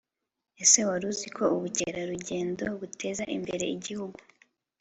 Ase waruziko ubu cyerarujyendo buteza imbere igihugu